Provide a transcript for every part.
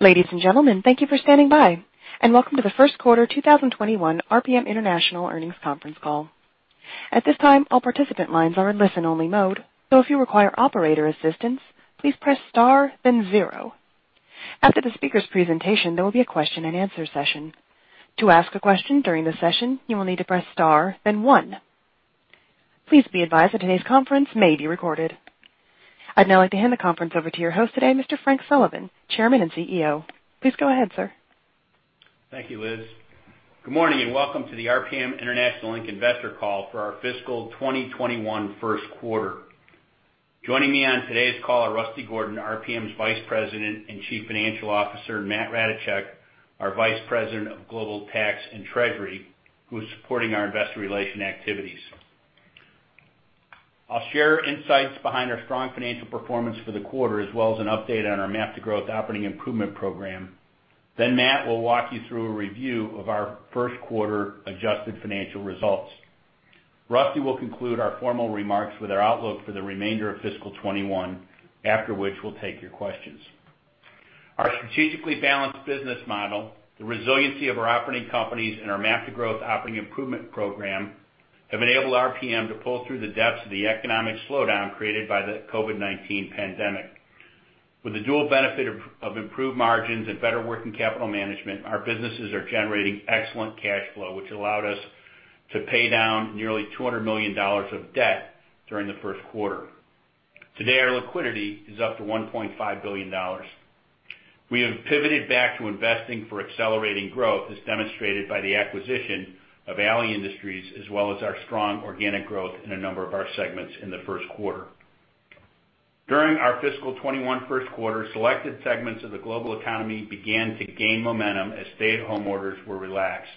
Ladies and gentlemen, thank you for standing by, and welcome to the Q1 of 2021 RPM International Earnings Conference Call. At this time, all participant lines are in listen-only mode, so if you require operator assistance, please press star, then zero. After the speaker's presentation, there will be a question and answer session. To ask a question during the session, you will need to press star, then one. Please be advised that today's conference may be recorded. I'd now like to hand the conference over to your host today, Mr. Frank Sullivan, Chairman and CEO. Please go ahead, sir. Thank you, Liz. Good morning, and welcome to the RPM International Investor Call for our fiscal 2021 Q1. Joining me on today's call are Russell Gordon, RPM's Vice President and Chief Financial Officer, Matt Ratajczak, our Vice President of Global Tax and Treasury, who is supporting our investor relation activities. I'll share insights behind our strong financial performance for the quarter as well as an update on our MAP to Growth operating improvement program. Matt will walk you through a review of our Q1 adjusted financial results. Russell will conclude our formal remarks with our outlook for the remainder of fiscal 2021, after which we'll take your questions. Our strategically balanced business model, the resiliency of our operating companies, and our MAP to Growth operating improvement program have enabled RPM to pull through the depths of the economic slowdown created by the COVID-19 pandemic. With the dual benefit of improved margins and better working capital management, our businesses are generating excellent cash flow, which allowed us to pay down nearly $200 million of debt during the Q1. Today, our liquidity is up to $1.5 billion. We have pivoted back to investing for accelerating growth as demonstrated by the acquisition of Ali Industries, as well as our strong organic growth in a number of our segments in the Q1. During our fiscal 2021 Q1, selected segments of the global economy began to gain momentum as stay-at-home orders were relaxed.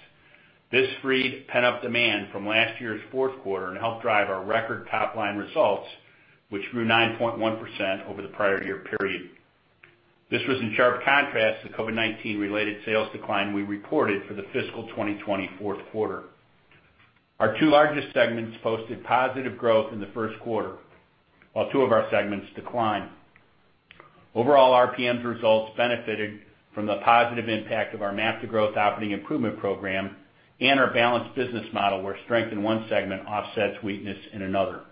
This freed pent-up demand from last year's Q4 and helped drive our record top-line results, which grew 9.1% over the prior year period. This was in sharp contrast to the COVID-19 related sales decline we reported for the fiscal 2020 Q4. Our two largest segments posted positive growth in the Q1, while two of our segments declined. Overall, RPM's results benefited from the positive impact of our MAP to Growth operating improvement program and our balanced business model where strength in one segment offsets weakness in another.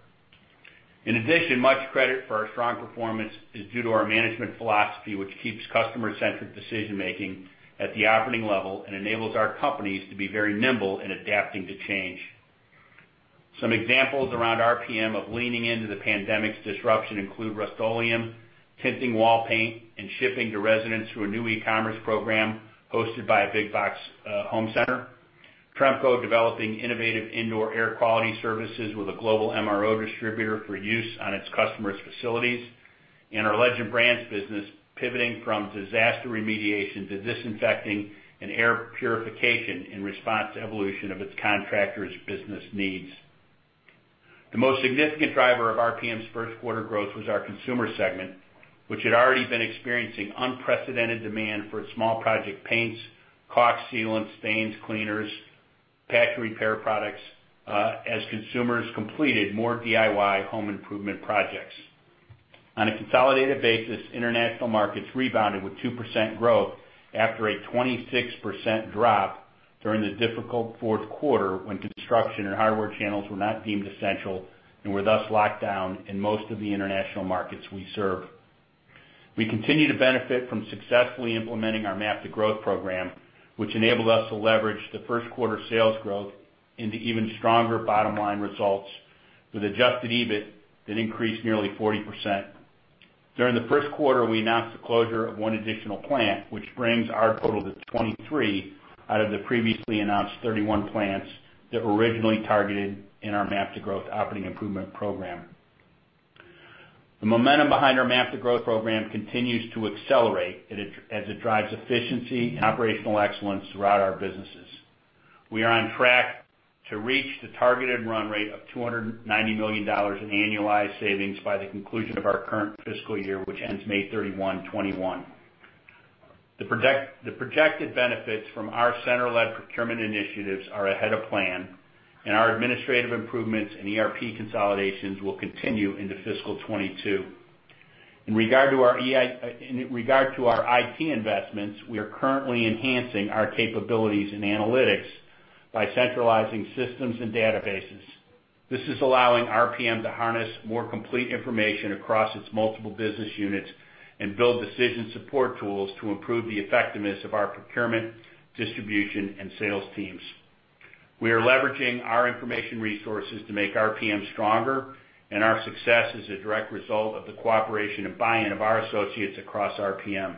In addition, much credit for our strong performance is due to our management philosophy, Which keeps customer-centric decision-making at the operating level and enables our companies to be very nimble in adapting to change. Some examples around RPM of leaning into the pandemic's disruption include Rust-Oleum tinting wall paint and shipping to residents through a new e-commerce program hosted by a big box home center. Tremco developing innovative indoor air quality services with a global MRO distributor for use on its customers' facilities. Our Legend Brands business pivoting from disaster remediation to disinfecting and air purification in response to evolution of its contractors' business needs. The most significant driver of RPM's Q1 growth was our Consumer segment, which had already been experiencing unprecedented demand for small project paints, caulk sealants, stains, cleaners, patch repair products, as consumers completed more DIY home improvement projects. On a consolidated basis, international markets rebounded with 2% growth after a 26% drop during the difficult Q4 when construction and hardware channels were not deemed essential and were thus locked down in most of the international markets we serve. We continue to benefit from successfully implementing our MAP to Growth program, which enabled us to leverage the Q1 sales growth into even stronger bottom-line results with adjusted EBIT that increased nearly 40%. During the Q1, we announced the closure of one additional plant, which brings our total to 23 out of the previously announced 31 plants that were originally targeted in our MAP to Growth operating improvement program. The momentum behind our MAP to Growth program continues to accelerate as it drives efficiency and operational excellence throughout our businesses. We are on track to reach the targeted run rate of $290 million in annualized savings by the conclusion of our current fiscal year, which ends May 31st, 2021. The projected benefits from our center-led procurement initiatives are ahead of plan, our administrative improvements and ERP consolidations will continue into fiscal 2022. In regard to our IT investments, we are currently enhancing our capabilities in analytics by centralizing systems and databases. This is allowing RPM to harness more complete information across its multiple business units and build decision support tools to improve the effectiveness of our procurement, distribution, and sales teams. We are leveraging our information resources to make RPM stronger, and our success is a direct result of the cooperation and buy-in of our associates across RPM.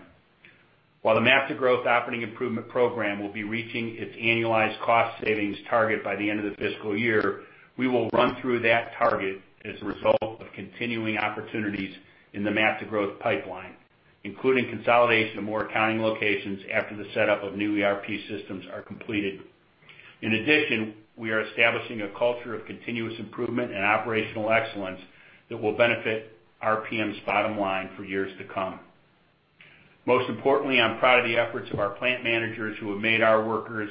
While the MAP to Growth operating improvement program will be reaching its annualized cost savings target by the end of the fiscal year, We will run through that target as a result of continuing opportunities in the MAP to Growth pipeline, including consolidation of more accounting locations after the setup of new ERP systems are completed. In addition, we are establishing a culture of continuous improvement and operational excellence that will benefit RPM's bottom line for years to come. Most importantly, I'm proud of the efforts of our plant managers who have made our workers'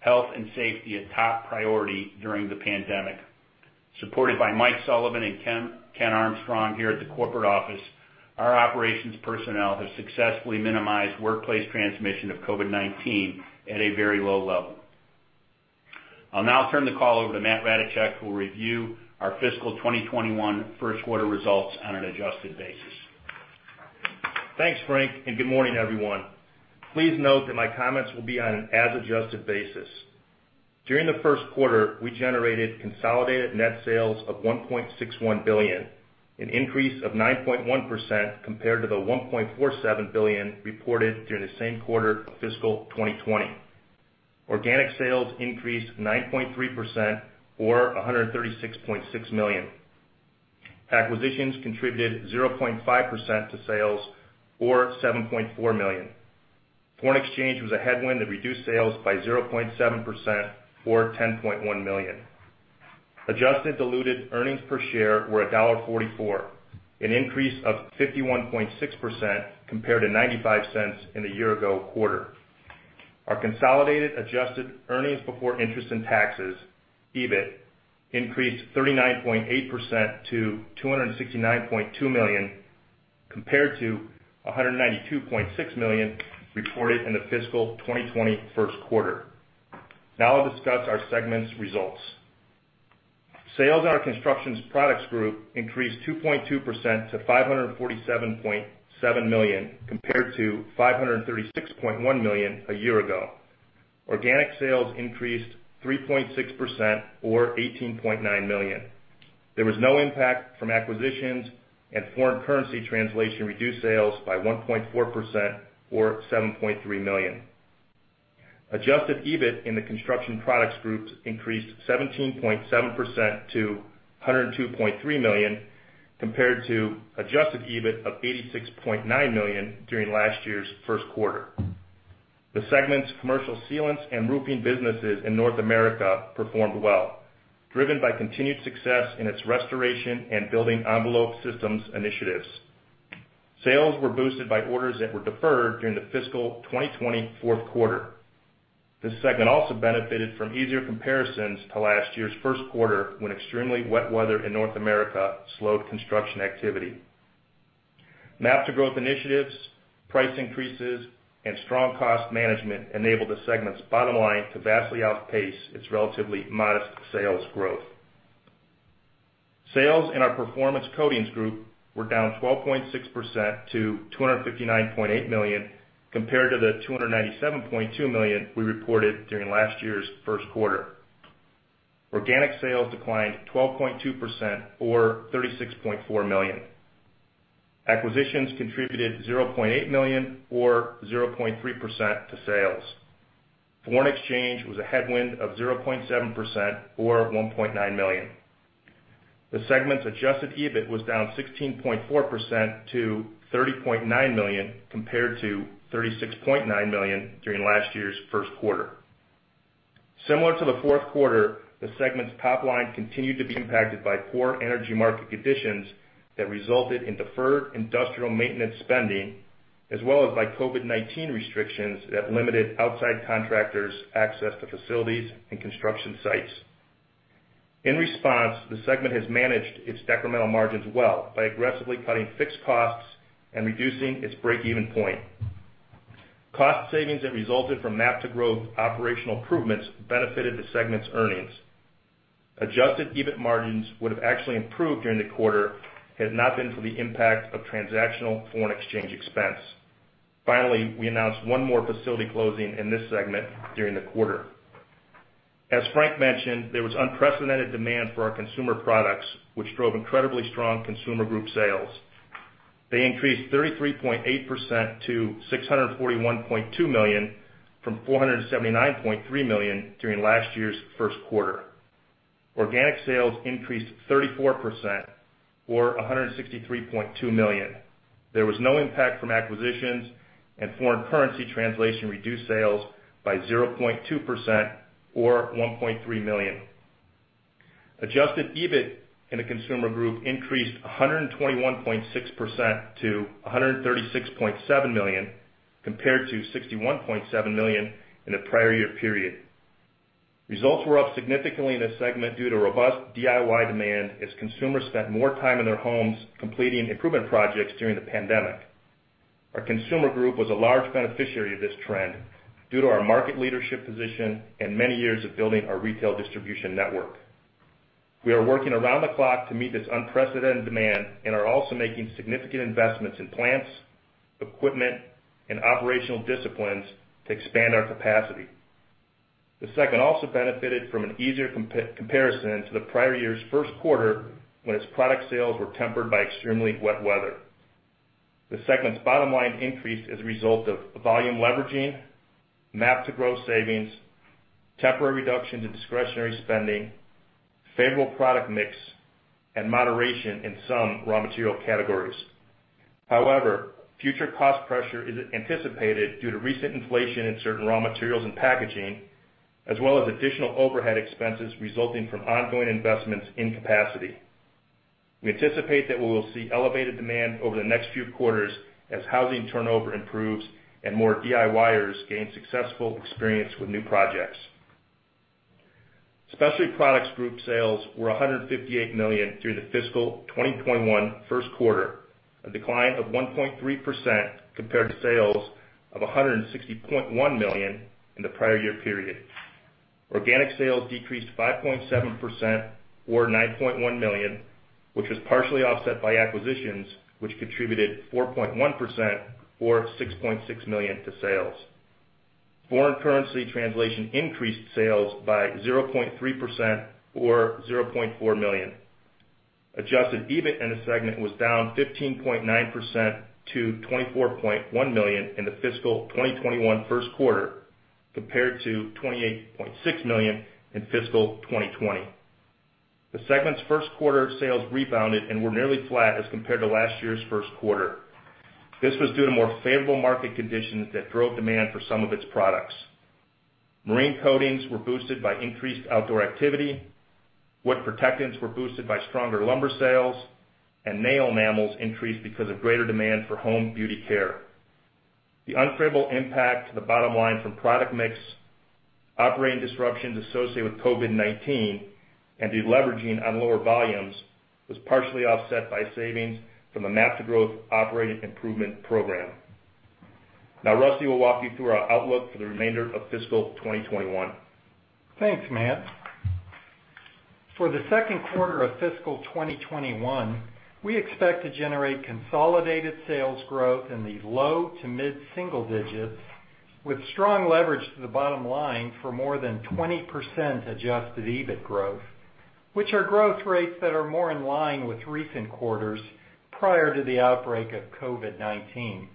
health and safety a top priority during the pandemic. Supported by Mike Sullivan and Ken Armstrong here at the corporate office, our operations personnel have successfully minimized workplace transmission of COVID-19 at a very low level. I'll now turn the call over to Matt Ratajczak, who will review our fiscal 2021 Q1 results on an adjusted basis. Thanks, Frank, and good morning, everyone. Please note that my comments will be on an as-adjusted basis. During the Q1, we generated consolidated net sales of $1.61 billion, an increase of 9.1% compared to the $1.47 billion reported during the same quarter of fiscal 2020. Organic sales increased 9.3%, or $136.6 million. Acquisitions contributed 0.5% to sales, or $7.4 million. Foreign exchange was a headwind that reduced sales by 0.7%, or $10.1 million. Adjusted diluted earnings per share were $1.44, an increase of 51.6% compared to $0.95 in the year-ago quarter. Our consolidated adjusted earnings before interest and taxes, EBIT, increased 39.8% to $269.2 million, compared to $192.6 million reported in the fiscal 2020 Q1. I'll discuss our segments results. Sales in our Construction Products Group increased 2.2% to $547.7 million, compared to $536.1 million a year ago. Organic sales increased 3.6%, or $18.9 million. There was no impact from acquisitions. Foreign currency translation reduced sales by 1.4%, or $7.3 million. Adjusted EBIT in the Construction Products Group increased 17.7% to $102.3 million, compared to adjusted EBIT of $86.9 million during last year's Q1. The segment's commercial sealants and roofing businesses in North America performed well, driven by continued success in its restoration and building envelope systems initiatives. Sales were boosted by orders that were deferred during the fiscal 2020 Q4. This segment also benefited from easier comparisons to last year's Q1 when extremely wet weather in North America slowed construction activity. MAP to Growth initiatives, price increases, and strong cost management enabled the segment's bottom line to vastly outpace its relatively modest sales growth. Sales in our Performance Coatings Group were down 12.6% to $259.8 million, compared to the $297.2 million we reported during last year's Q1. Organic sales declined 12.2%, or $36.4 million. Acquisitions contributed $0.8 million or 0.3% to sales. Foreign exchange was a headwind of 0.7%, or $1.9 million. The segment's adjusted EBIT was down 16.4% to $30.9 million, compared to $36.9 million during last year's Q1. Similar to the Q4, the segment's top line continued to be impacted by poor energy market conditions that resulted in deferred industrial maintenance spending, As well as by COVID-19 restrictions that limited outside contractors' access to facilities and construction sites. In response, the segment has managed its decremental margins well by aggressively cutting fixed costs and reducing its break-even point. Cost savings that resulted from MAP to Growth operational improvements benefited the segment's earnings. Adjusted EBIT margins would have actually improved during the quarter had it not been for the impact of transactional foreign exchange expense. We announced one more facility closing in this segment during the quarter. As Frank mentioned, there was unprecedented demand for our consumer products, which drove incredibly strong Consumer Group sales. They increased 33.8% to $641.2 million, from $479.3 million during last year's Q1. Organic sales increased 34%, or $163.2 million. There was no impact from acquisitions, and foreign currency translation reduced sales by 0.2%, or $1.3 million. Adjusted EBIT in the Consumer Group increased 121.6% to $136.7 million, compared to $61.7 million in the prior year period. Results were up significantly in this segment due to robust DIY demand as consumers spent more time in their homes completing improvement projects during the pandemic. Our Consumer Group was a large beneficiary of this trend due to our market leadership position and many years of building our retail distribution network. We are working around the clock to meet this unprecedented demand and are also making significant investments in plants, equipment, and operational disciplines to expand our capacity. The segment also benefited from an easier comparison to the prior year's Q1, when its product sales were tempered by extremely wet weather. The segment's bottom line increased as a result of volume leveraging, MAP to Growth savings, temporary reductions in discretionary spending, favorable product mix, and moderation in some raw material categories. Future cost pressure is anticipated due to recent inflation in certain raw materials and packaging, as well as additional overhead expenses resulting from ongoing investments in capacity. We anticipate that we will see elevated demand over the next few quarters as housing turnover improves and more DIYers gain successful experience with new projects. Specialty Products Group sales were $158 million through the fiscal 2021 Q1, a decline of 1.3% compared to sales of $160.1 million in the prior year period. Organic sales decreased 5.7%, or $9.1 million, which was partially offset by acquisitions, which contributed 4.1%, or $6.6 million to sales. Foreign currency translation increased sales by 0.3%, or $0.4 million. Adjusted EBIT in the segment was down 15.9% to $24.1 million in the fiscal 2021 Q1, compared to $28.6 million in fiscal 2020. The segment's Q1 sales rebounded and were nearly flat as compared to last year's Q1. This was due to more favorable market conditions that drove demand for some of its products. Marine coatings were boosted by increased outdoor activity, wood protectants were boosted by stronger lumber sales, and nail enamels increased because of greater demand for home beauty care. The unfavorable impact to the bottom line from product mix, operating disruptions associated with COVID-19, and deleveraging on lower volumes was partially offset by savings from the MAP to Growth operating improvement program. Now Russell will walk you through our outlook for the remainder of fiscal 2021. Thanks, Matt. For the Q2 of fiscal 2021, we expect to generate consolidated sales growth in the low to mid-single digits, with strong leverage to the bottom line for more than 20% adjusted EBIT growth, which are growth rates that are more in line with recent quarters prior to the outbreak of COVID-19.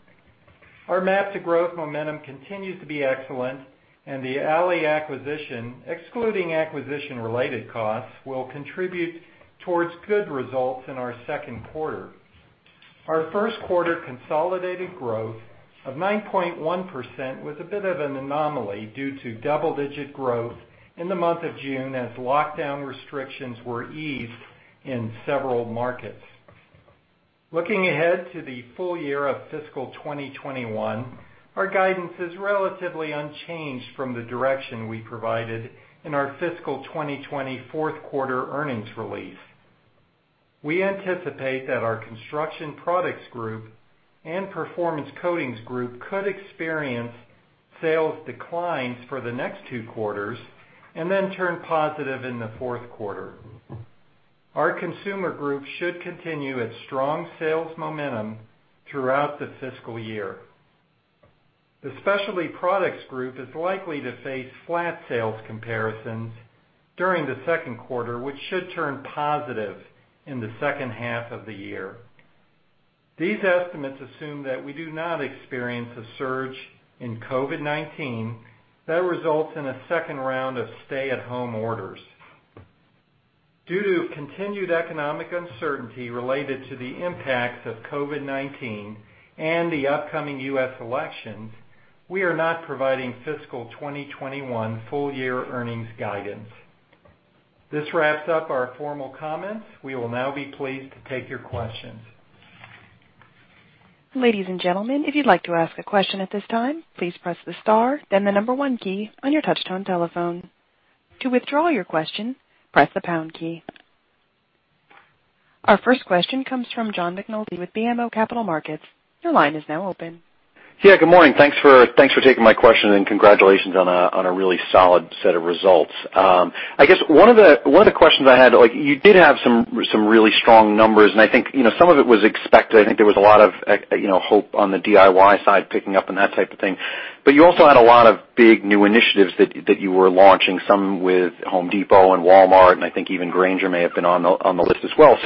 Our MAP to Growth momentum continues to be excellent, and the Ali acquisition, excluding acquisition-related costs, Will contribute towards good results in our Q2. Our Q1 consolidated growth of 9.1% was a bit of an anomaly due to double-digit growth in the month of June as lockdown restrictions were eased in several markets. Looking ahead to the full year of fiscal 2021, our guidance is relatively unchanged from the direction we provided in our fiscal 2020 Q4 earnings release. We anticipate that our Construction Products Group and Performance Coatings Group could experience sales declines for the next 2 quarters and then turn positive in the Q4. Our Consumer Group should continue its strong sales momentum throughout the fiscal year. The Specialty Products Group is likely to face flat sales comparisons during the Q2, which should turn positive in the H2 of the year. These estimates assume that we do not experience a surge in COVID-19 that results in a 2nd round of stay-at-home orders. Due to continued economic uncertainty related to the impacts of COVID-19 and the upcoming U.S. elections, we are not providing fiscal 2021 full-year earnings guidance. This wraps up our formal comments. We will now be pleased to take your questions. Ladies and gentlemen, if you'd like to ask a question at this time, please press the star, then the number one key on your touch-tone telephone. To withdraw your question, press the pound key. Our first question comes from John McNulty with BMO Capital Markets. Your line is now open. Good morning. Thanks for taking my question and congratulations on a really solid set of results. I guess one of the questions I had, you did have some really strong numbers, and I think some of it was expected. I think there was a lot of hope on the DIY side picking up and that type of thing. You also had a lot of big new initiatives that you were launching, some with Home Depot and Walmart, and I think even Grainger may have been on the list as well.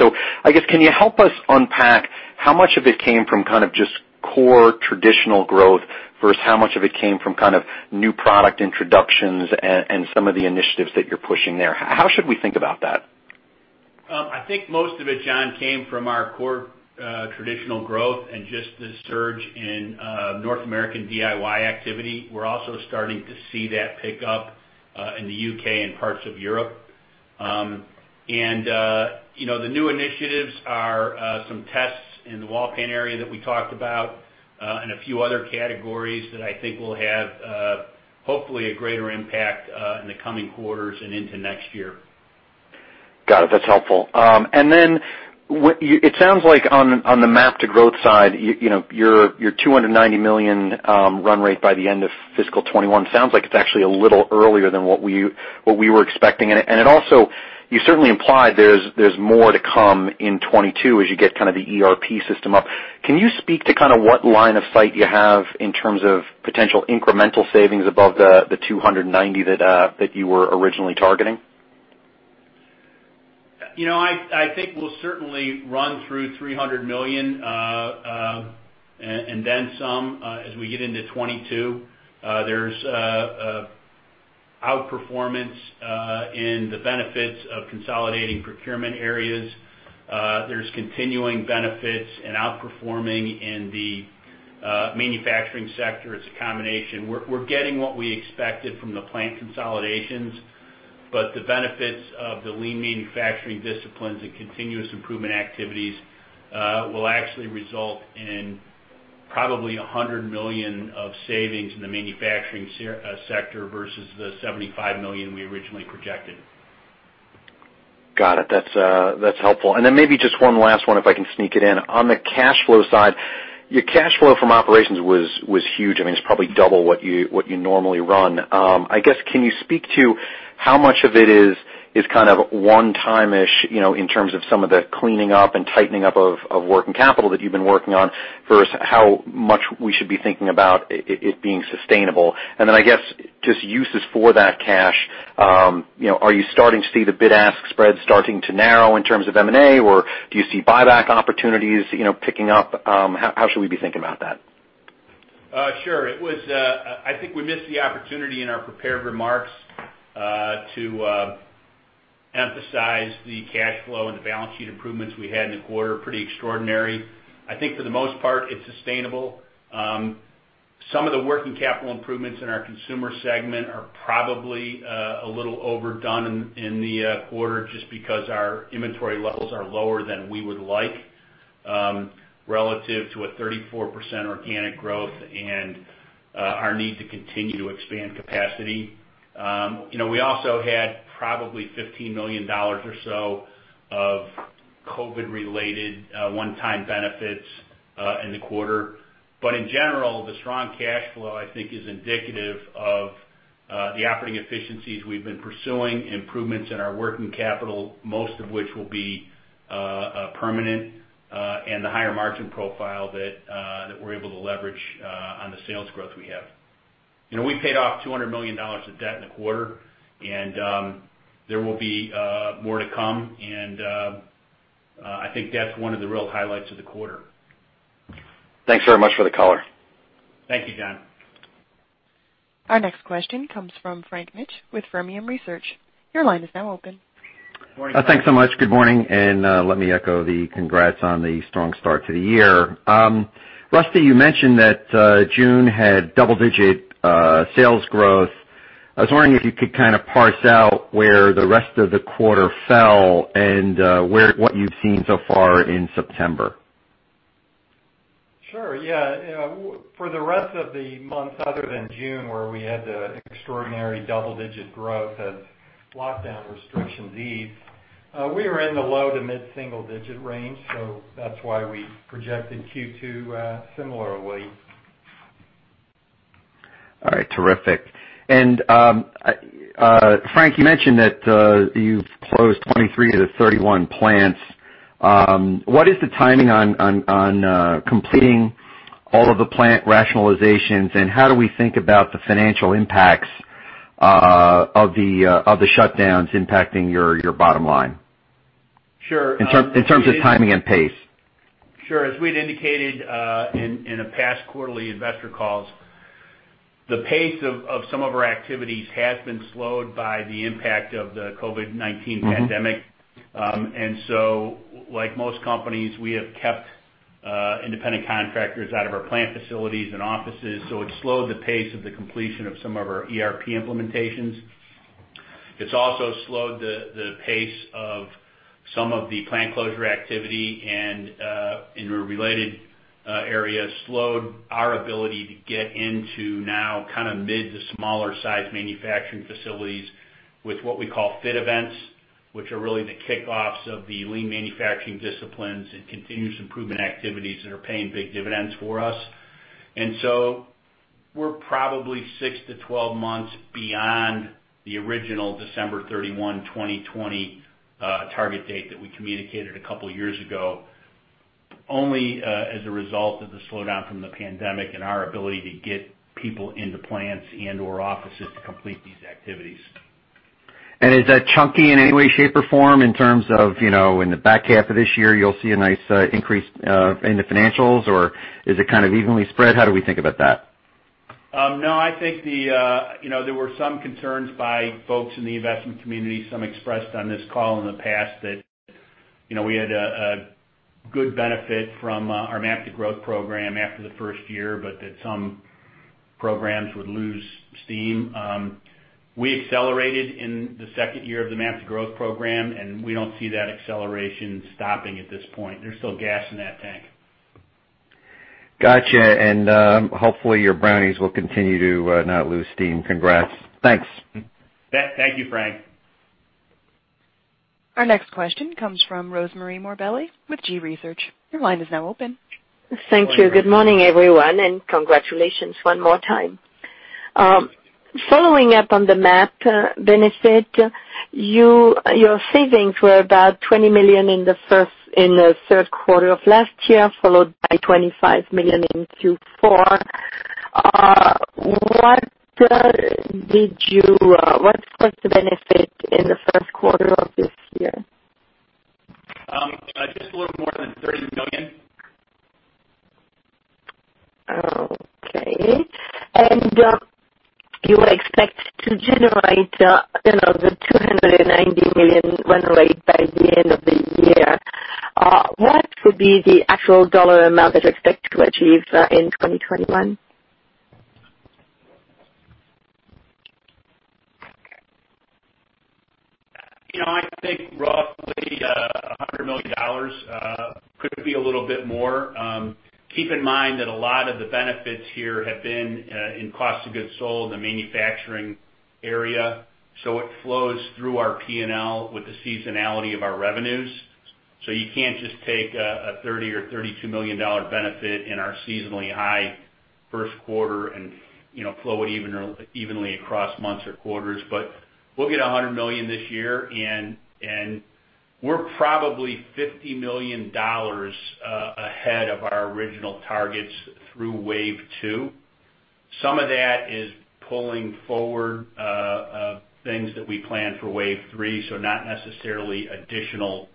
I guess, can you help us unpack how much of it came from kind of just core traditional growth, versus how much of it came from kind of new product introductions and some of the initiatives that you're pushing there? How should we think about that? I think most of it, John, came from our core traditional growth and just the surge in North American DIY activity. We're also starting to see that pick up in the U.K. and parts of Europe. The new initiatives are some tests in the wall paint area that we talked about, and a few other categories that I think will have, hopefully, a greater impact in the coming quarters and into next year. Got it. That's helpful. It sounds like on the MAP to Growth side, your $290 million run rate by the end of fiscal 2021 sounds like it's actually a little earlier than what we were expecting. You certainly implied there's more to come in 2022 as you get kind of the ERP system up. Can you speak to kind of what line of sight you have in terms of potential incremental savings above the $290 that you were originally targeting? I think we'll certainly run through $300 million and then some as we get into 2022. There's outperformance in the benefits of consolidating procurement areas. There's continuing benefits and outperforming in the. Manufacturing sector. It's a combination. We're getting what we expected from the plant consolidations, but the benefits of the lean manufacturing disciplines and continuous improvement activities will actually result in probably $100 million of savings in the manufacturing sector versus the $75 million we originally projected. Got it. That's helpful. Maybe just one last one, if I can sneak it in. On the cash flow side, your cash flow from operations was huge. I mean, it's probably double what you normally run. I guess, can you speak to how much of it is kind of one-time-ish, In terms of some of the cleaning up and tightening up of working capital that you've been working on, versus how much we should be thinking about it being sustainable? I guess, just uses for that cash. Are you starting to see the bid-ask spread starting to narrow in terms of M&A, or do you see buyback opportunities picking up? How should we be thinking about that? Sure. I think we missed the opportunity in our prepared remarks to emphasize the cash flow and the balance sheet improvements we had in the quarter, pretty extraordinary. I think for the most part, it's sustainable. Some of the working capital improvements in our Consumer Group are probably a little overdone in the quarter, just because our inventory levels are lower than we would like relative to a 34% organic growth and our need to continue to expand capacity. We also had probably $15 million or so of COVID-19 related one-time benefits in the quarter. In general, the strong cash flow, I think, is indicative of the operating efficiencies we've been pursuing, improvements in our working capital, most of which will be permanent, and the higher margin profile that we're able to leverage on the sales growth we have. We paid off $200 million of debt in the quarter, and there will be more to come. I think that's one of the real highlights of the quarter. Thanks very much for the color. Thank you, John. Our next question comes from Frank Mitsch with Fermium Research. Your line is now open. Morning. Thanks so much. Good morning, let me echo the congrats on the strong start to the year. Russell, you mentioned that June had double-digit sales growth. I was wondering if you could kind of parse out where the rest of the quarter fell and what you've seen so far in September. Sure. Yeah. For the rest of the months other than June, where we had the extraordinary double-digit growth as lockdown restrictions eased, we were in the low to mid single digit range, so that's why we projected Q2 similarly. All right. Terrific. Frank, you mentioned that you've closed 23 of the 31 plants. What is the timing on completing all of the plant rationalizations, and how do we think about the financial impacts of the shutdowns impacting your bottom line? Sure, In terms of timing and pace. Sure. As we'd indicated in a past quarterly investor calls, the pace of some of our activities has been slowed by the impact of the COVID-19 pandemic. Like most companies, we have kept independent contractors out of our plant facilities and offices, so it slowed the pace of the completion of some of our ERP implementations. It's also slowed the pace of some of the plant closure activity and, in the related areas, slowed our ability to get into now kind of mid to smaller size manufacturing facilities with what we call fit events, which are really the kickoffs of the lean manufacturing disciplines and continuous improvement activities that are paying big dividends for us. We're probably 6-12 months beyond the original December 31st, 2020 target date that we communicated a couple of years ago, only as a result of the slowdown from the pandemic and our ability to get people into plants and/or offices to complete these activities. Is that chunky in any way, shape, or form in terms of in the back half of this year, you'll see a nice increase in the financials, or is it kind of evenly spread? How do we think about that? No, I think there were some concerns by folks in the investment community, some expressed on this call in the past that we had a good benefit from our MAP to Growth program after the first year, but that some programs would lose steam. We accelerated in the second year of the MAP to Growth program, and we don't see that acceleration stopping at this point. There's still gas in that tank. Got you. Hopefully your Cleveland Browns will continue to not lose steam. Congrats. Thanks. Thank you, Frank. Our next question comes from Rosemarie Morbelli with G.research, LLC. Thank you. Good morning, everyone, congratulations one more time. Following up on the MAP benefit, your savings were about $20 million in the Q3 of last year, followed by $25 million in Q4. What's the benefit in the Q1 of this year? Just a little more than $30 million. Okay. You would expect to generate the $290 million run rate by the end of the year. What would be the actual dollar amount that you expect to achieve in 2021? I think roughly $100 million. Could be a little bit more. Keep in mind that a lot of the benefits here have been in cost of goods sold in the manufacturing area. It flows through our P&L with the seasonality of our revenues. You can't just take a $30 million or $32 million benefit in our seasonally high Q1 and flow it evenly across months or quarters. We'll get $100 million this year, and we're probably $50 million ahead of our original targets through wave two. Some of that is pulling forward things that we plan for wave three, so not necessarily additional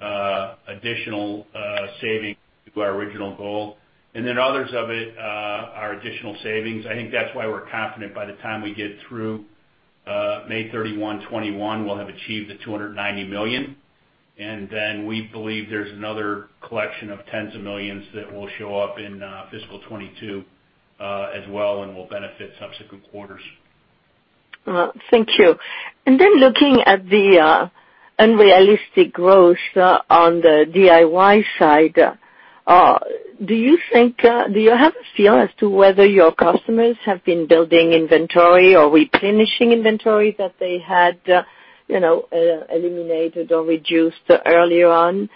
savings to our original goal. Others of it are additional savings. I think that's why we're confident by the time we get through May 31st, 2021, we'll have achieved the $290 million. We believe there's another collection of $ tens of millions that will show up in fiscal 2022 as well, and will benefit subsequent quarters. Thank you. Looking at the unrealistic growth on the DIY side, do you have a feel as to whether your customers have been building inventory or replenishing inventory that they had eliminated or reduced earlier on?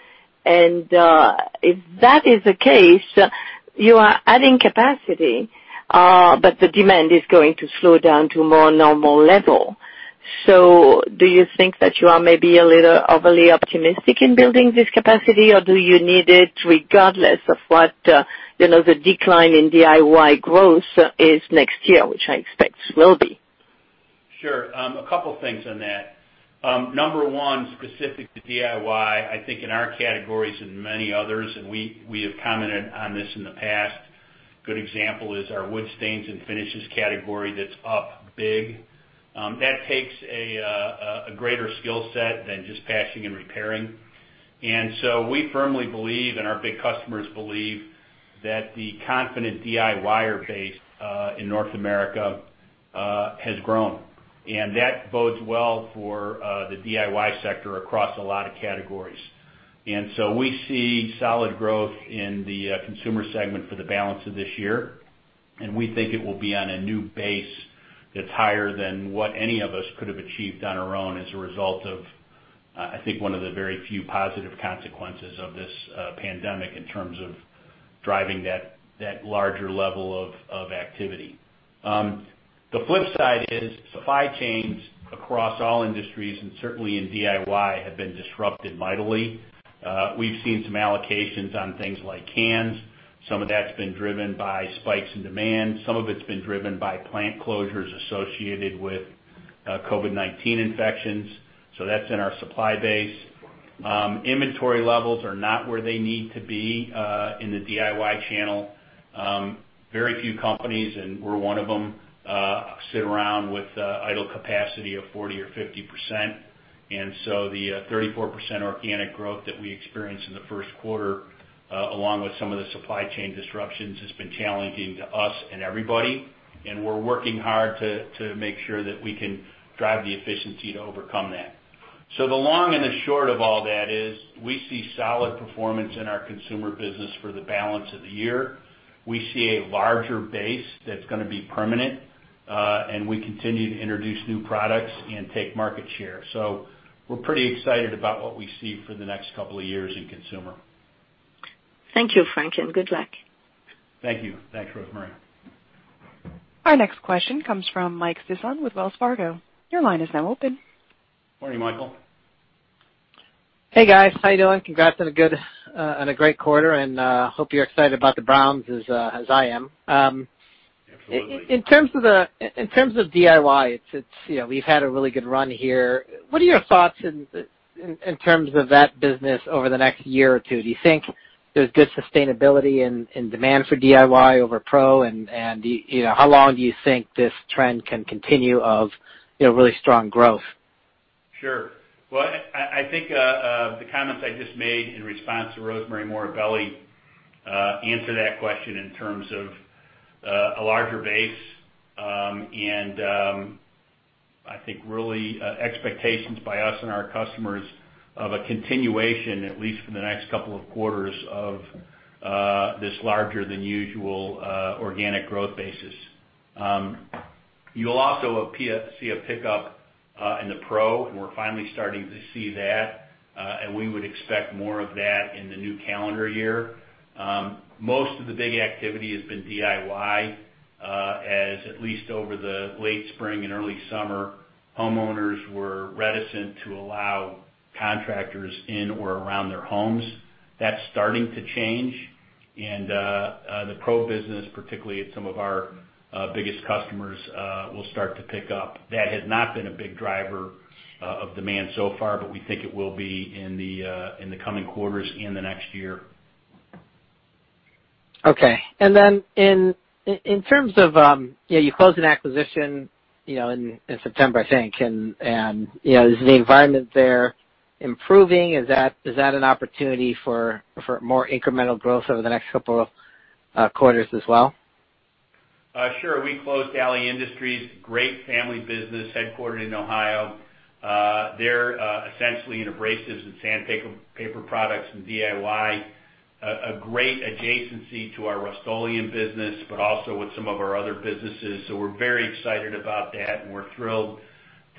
If that is the case, you are adding capacity, but the demand is going to slow down to a more normal level. Do you think that you are maybe a little overly optimistic in building this capacity, or do you need it regardless of what the decline in DIY growth is next year, which I expect will be? Sure. A couple things on that. Number one, specific to DIY, I think in our categories and many others, we have commented on this in the past. Good example is our wood stains and finishes category that's up big. That takes a greater skill set than just patching and repairing. We firmly believe, and our big customers believe, that the confident DIY-er base in North America has grown, that bodes well for the DIY sector across a lot of categories. We see solid growth in the consumer segment for the balance of this year, we think it will be on a new base that's higher than what any of us could have achieved on our own as a result of, I think, one of the very few positive consequences of this pandemic in terms of driving that larger level of activity. The flip side is supply chains across all industries, and certainly in DIY, have been disrupted mightily. We've seen some allocations on things like cans. Some of that's been driven by spikes in demand. Some of it's been driven by plant closures associated with COVID-19 infections, so that's in our supply base. Inventory levels are not where they need to be in the DIY channel. Very few companies, and we're one of them, sit around with idle capacity of 40% or 50%. The 34% organic growth that we experienced in the Q1, along with some of the supply chain disruptions, has been challenging to us and everybody, and we're working hard to make sure that we can drive the efficiency to overcome that. The long and the short of all that is we see solid performance in our consumer business for the balance of the year. We see a larger base that's going to be permanent, and we continue to introduce new products and take market share. We're pretty excited about what we see for the next couple of years in consumer. Thank you, Frank, and good luck. Thank you. Thanks, Rosemarie. Our next question comes from Mike Sison with Wells Fargo. Your line is now open. Morning, Mike. Hey, guys. How you doing? Congrats on a great quarter and hope you're excited about the Browns as I am. Absolutely. In terms of DIY, we've had a really good run here. What are your thoughts in terms of that business over the next year or two? Do you think there's good sustainability and demand for DIY over pro, and how long do you think this trend can continue of really strong growth? Sure. Well, I think the comments I just made in response to Rosemarie Morbelli answer that question in terms of a larger base. You'll also see a pickup in the pro, and we're finally starting to see that. We would expect more of that in the new calendar year. Most of the big activity has been DIY, as at least over the late spring and early summer, homeowners were reticent to allow contractors in or around their homes. That's starting to change. The pro business, particularly at some of our biggest customers, will start to pick up. That has not been a big driver of demand so far, but we think it will be in the coming quarters and the next year. Okay. In terms of you closed an acquisition in September, I think. Is the environment there improving? Is that an opportunity for more incremental growth over the next couple of quarters as well? Sure. We closed Ali Industries, great family business, headquartered in Ohio. They're essentially in abrasives and sandpaper products and DIY. A great adjacency to our Rust-Oleum business, but also with some of our other businesses. We're very excited about that, and we're thrilled to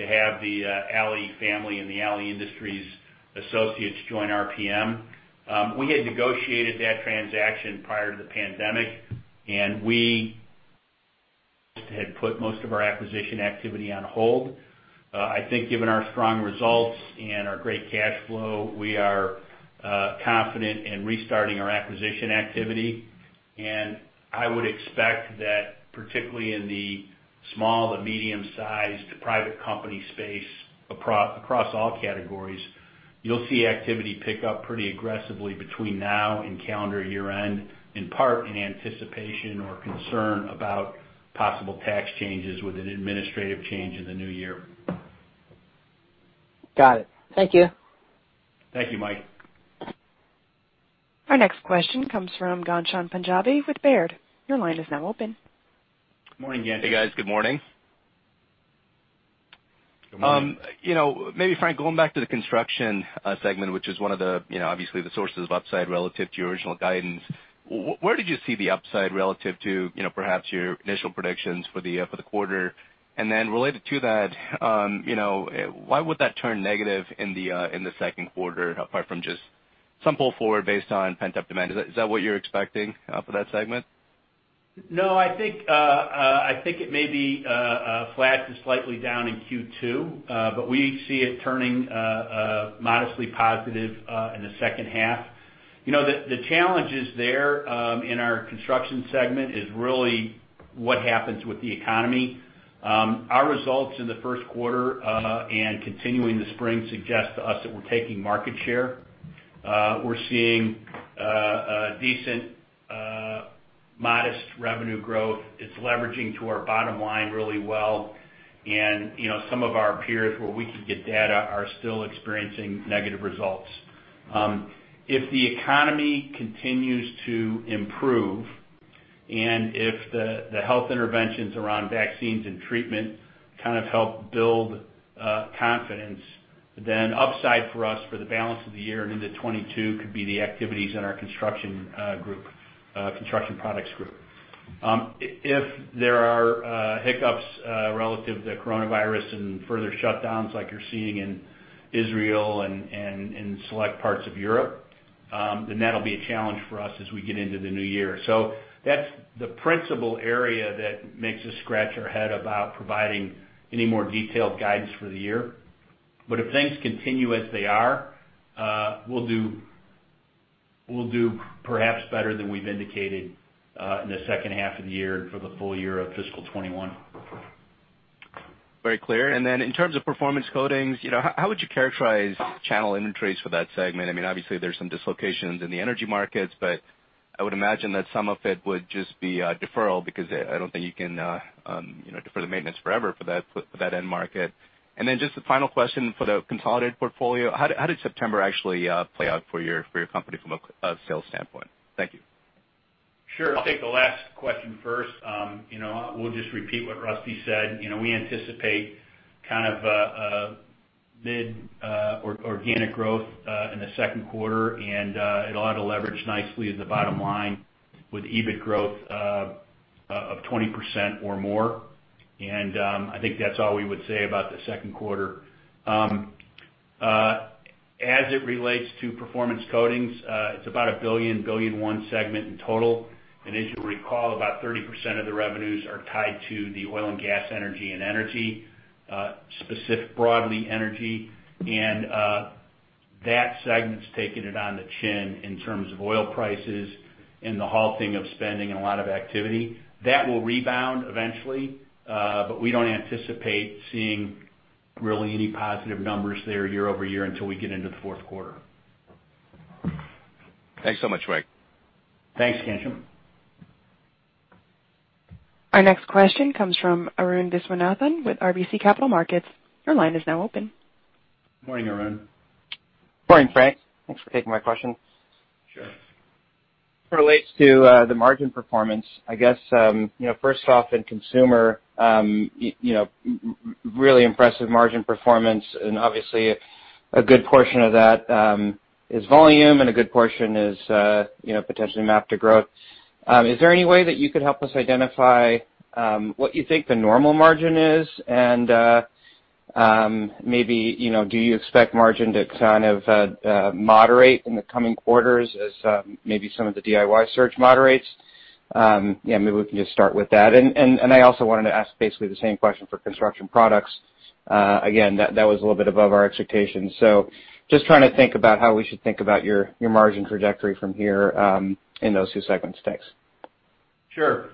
have the Ali family and the Ali Industries associates join RPM. We had negotiated that transaction prior to the pandemic, and we had put most of our acquisition activity on hold. I think given our strong results and our great cash flow, we are confident in restarting our acquisition activity. I would expect that particularly in the small to medium-sized private company space across all categories, you'll see activity pick up pretty aggressively between now and calendar year-end, in part in anticipation or concern about possible tax changes with an administrative change in the new year. Got it. Thank you. Thank you, Mike. Our next question comes from Ghansham Panjabi with Baird. Your line is now open. Morning, Ghansham. Hey, guys. Good morning. Good morning. Maybe, Frank, going back to the Construction Products Group, which is one of the obviously the sources of upside relative to your original guidance. Where did you see the upside relative to perhaps your initial predictions for the quarter? And then related to that, why would that turn negative in the Q2, apart from just some pull forward based on pent-up demand? Is that what you're expecting for that segment? I think it may be flat to slightly down in Q2. We see it turning modestly positive in the second half. The challenges there in our Construction segment is really what happens with the economy. Our results in the Q1, and continuing the spring, suggest to us that we're taking market share. We're seeing a decent modest revenue growth. It's leveraging to our bottom line really well. Some of our peers where we can get data are still experiencing negative results. If the economy continues to improve, and if the health interventions around vaccines and treatment kind of help build confidence, then upside for us for the balance of the year and into 2022 could be the activities in our Construction Products Group. If there are hiccups relative to coronavirus and further shutdowns like you're seeing in Israel and in select parts of Europe, then that'll be a challenge for us as we get into the new year. That's the principal area that makes us scratch our head about providing any more detailed guidance for the year. If things continue as they are, we'll do perhaps better than we've indicated, in the second half of the year and for the full year of fiscal 2021. Very clear. In terms of Performance Coatings, how would you characterize channel inventories for that segment? Obviously, there's some dislocations in the energy markets, but I would imagine that some of it would just be a deferral because I don't think you can defer the maintenance forever for that end market. Just the final question for the consolidated portfolio, how did September actually play out for your company from a sales standpoint? Thank you. Sure. I'll take the last question first. We'll just repeat what Russell said. We anticipate kind of a mid organic growth in the Q2, it'll ought to leverage nicely at the bottom line with EBIT growth of 20% or more. I think that's all we would say about the Q2. As it relates to Performance Coatings, it's about a $1 billion, $1 billion segment in total. As you'll recall, about 30% of the revenues are tied to the oil and gas energy and energy, specific broadly energy. That segment's taken it on the chin in terms of oil prices and the halting of spending and a lot of activity. That will rebound eventually, but we don't anticipate seeing really any positive numbers there year-over-year until we get into the Q4. Thanks so much, Frank. Thanks, Ghansham. Our next question comes from Arun Viswanathan with RBC Capital Markets. Morning, Arun. Morning, Frank. Thanks for taking my questions. Sure. Relates to the margin performance, I guess, first off in Consumer Group, really impressive margin performance and obviously a good portion of that is volume and a good portion is potentially MAP to Growth. Is there any way that you could help us identify what you think the normal margin is? Maybe do you expect margin to kind of moderate in the coming quarters as maybe some of the DIY surge moderates? Maybe we can just start with that. I also wanted to ask basically the same question for Construction Products Group. Again, that was a little bit above our expectations. Just trying to think about how we should think about your margin trajectory from here in those two segments. Thanks. Sure.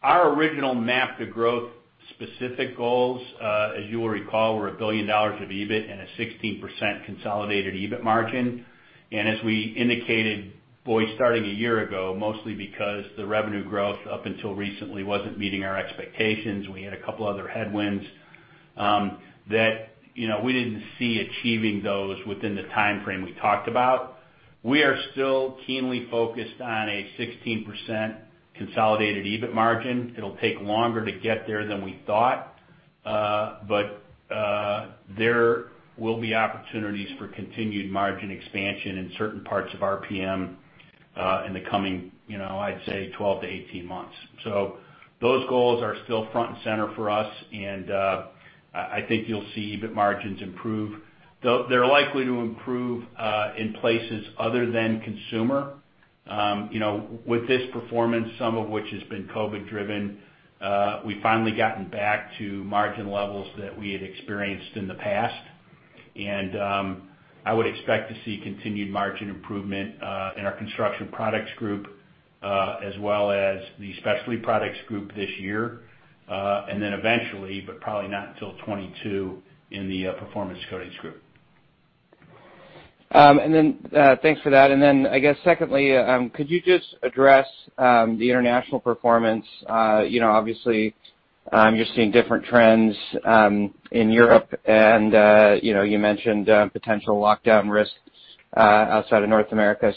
Our original MAP to Growth specific goals, as you will recall, were $1 billion of EBIT and a 16% consolidated EBIT margin. As we indicated, boy, starting a year ago, mostly because the revenue growth up until recently wasn't meeting our expectations. We had a couple other headwinds that we didn't see achieving those within the timeframe we talked about. We are still keenly focused on a 16% consolidated EBIT margin. It'll take longer to get there than we thought. There will be opportunities for continued margin expansion in certain parts of RPM in the coming, I'd say, 12-18 months. Those goals are still front and center for us, and I think you'll see EBIT margins improve. They're likely to improve in places other than Consumer. With this performance, some of which has been COVID-driven, we finally gotten back to margin levels that we had experienced in the past. I would expect to see continued margin improvement in our Construction Products Group, as well as the Specialty Products Group this year, eventually, but probably not until 2022, in the Performance Coatings Group. Thanks for that. I guess secondly, could you just address the international performance? Obviously, you're seeing different trends in Europe and you mentioned potential lockdown risks outside of North America.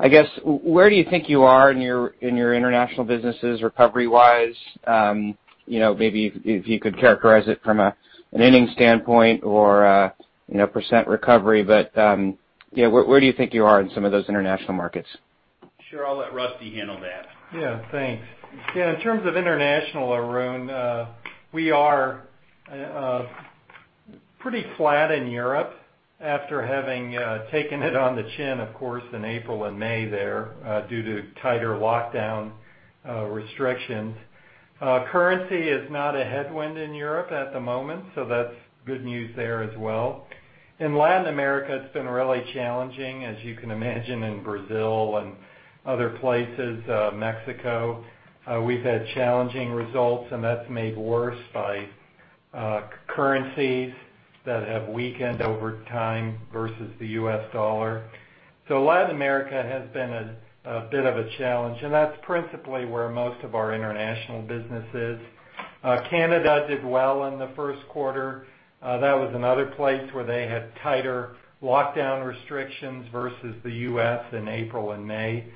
I guess, where do you think you are in your international businesses recovery-wise? Maybe if you could characterize it from an inning standpoint or % recovery. Where do you think you are in some of those international markets? Sure. I'll let Russell handle that. Thanks. In terms of international, Arun, we are pretty flat in Europe after having taken it on the chin, of course, in April and May there due to tighter lockdown restrictions. Currency is not a headwind in Europe at the moment, that's good news there as well. In Latin America, it's been really challenging, as you can imagine, in Brazil and other places, Mexico. We've had challenging results, that's made worse by currencies that have weakened over time versus the U.S. dollar. Latin America has been a bit of a challenge, and that's principally where most of our international business is. Canada did well in the Q1. That was another place where they had tighter lockdown restrictions versus the U.S. in April and May.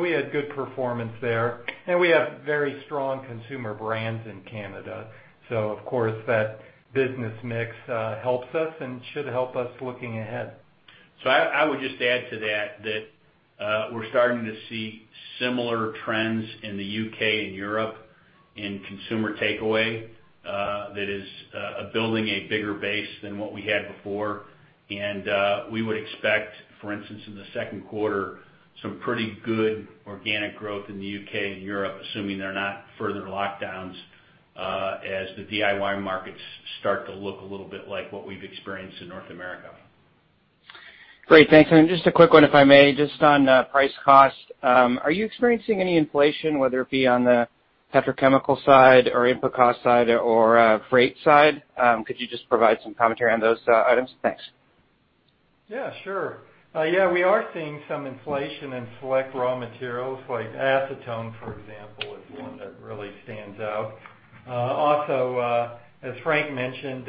We had good performance there. We have very strong consumer brands in Canada. Of course, that business mix helps us and should help us looking ahead. I would just add to that we're starting to see similar trends in the U.K. and Europe in consumer takeaway, that is building a bigger base than what we had before. We would expect, for instance, in the Q2, some pretty good organic growth in the U.K. and Europe, assuming there are not further lockdowns, as the DIY markets start to look a little bit like what we've experienced in North America. Great. Thanks. Just a quick one, if I may, just on price cost. Are you experiencing any inflation, whether it be on the petrochemical side or input cost side or freight side? Could you just provide some commentary on those items? Thanks. Yeah, sure. We are seeing some inflation in select raw materials, like acetone, for example, is one that really stands out. As Frank mentioned,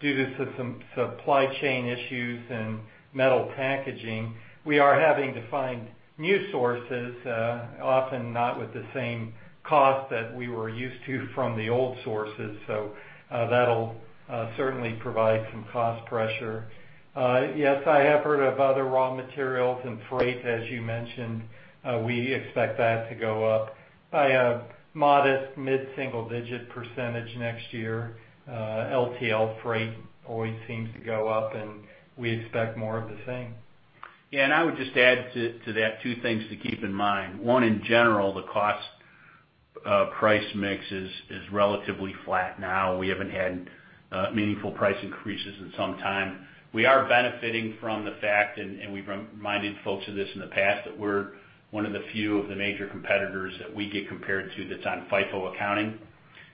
due to some supply chain issues in metal packaging, we are having to find new sources, often not with the same cost that we were used to from the old sources. That'll certainly provide some cost pressure. Yes, I have heard of other raw materials and freight, as you mentioned. We expect that to go up by a modest mid-single-digit percentage next year. LTL freight always seems to go up, and we expect more of the same. Yeah. I would just add to that two things to keep in mind. One, in general, the cost price mix is relatively flat now. We haven't had meaningful price increases in some time. We are benefiting from the fact, and we've reminded folks of this in the past, that we're one of the few of the major competitors that we get compared to that's on FIFO accounting.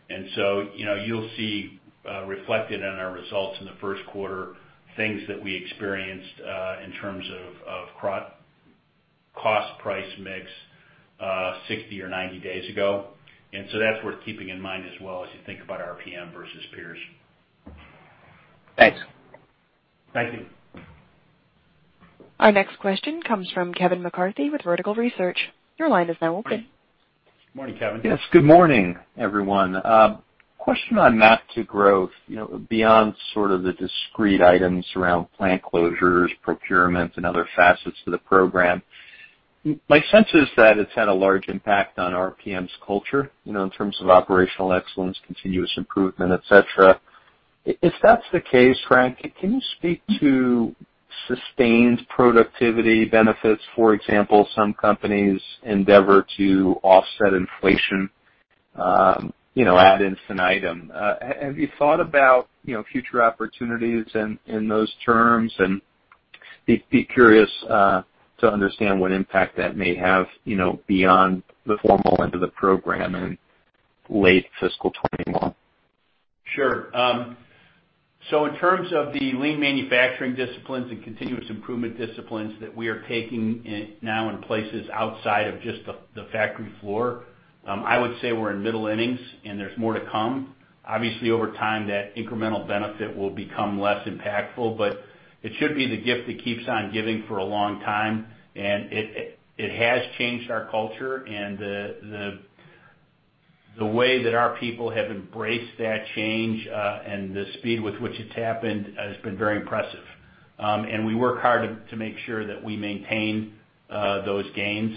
You'll see reflected in our results in the Q1 things that we experienced in terms of cost price mix 60 or 90 days ago. That's worth keeping in mind as well as you think about RPM versus peers. Thanks. Thank you. Our next question comes from Kevin McCarthy with Vertical Research. Your line is now open. Morning, Kevin. Yes. Good morning, everyone. Question on MAP to Growth. Beyond sort of the discrete items around plant closures, procurement, and other facets to the program, my sense is that it's had a large impact on RPM's culture, in terms of operational excellence, continuous improvement, et cetera. If that's the case, Frank, can you speak to sustained productivity benefits? For example, some companies endeavor to offset inflation ad infinitum. Have you thought about future opportunities in those terms and be curious to understand what impact that may have beyond the formal end of the program in late fiscal 2021. Sure. In terms of the lean manufacturing disciplines and continuous improvement disciplines that we are taking now in places outside of just the factory floor, I would say we're in middle innings and there's more to come. Obviously, over time, that incremental benefit will become less impactful, but it should be the gift that keeps on giving for a long time. It has changed our culture and the way that our people have embraced that change, and the speed with which it's happened has been very impressive. We work hard to make sure that we maintain those gains.